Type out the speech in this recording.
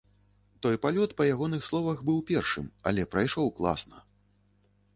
Той палёт, па ягоных словах, быў першым, але прайшоў класна.